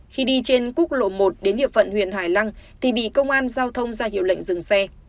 khi đi trên quốc lộ một đến địa phận huyện hải lăng thì bị công an giao thông ra hiệu lệnh dừng xe